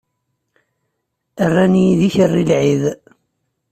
Rran-iyi d ikerri n lɛid!